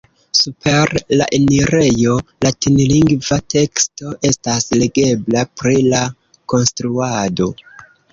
Super la enirejo latinlingva teksto estas legebla pri la konstruado.